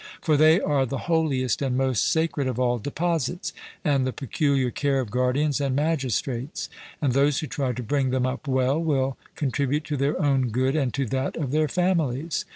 For they are the holiest and most sacred of all deposits, and the peculiar care of guardians and magistrates; and those who try to bring them up well will contribute to their own good and to that of their families.